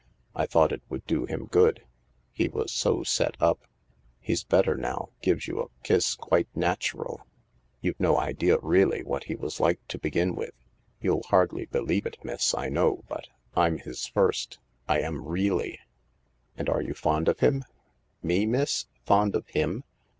"I thought it would do him good. He was so set up. He's better now — gives you a kiss quite natural. You've no idea reely what M was like to begin with. You'll hardly believe it, miss, I'kffow, but I'm his first. I am reely." " And are you fond of him ?"" Me, miss ? Fond of him